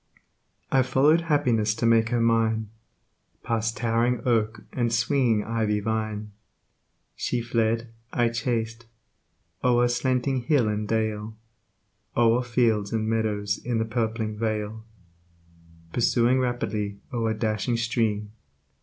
I followed happiness to make her mine, Past towering oak and swinging ivy vine. She fled, I chased, o'er slanting hill and dale, O'er fields and meadows, in the purpling vale; Pursuing rapidly o'er dashing stream.